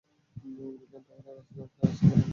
Golden টাওয়ারে যাওয়ার রাস্তাটা খালি করো!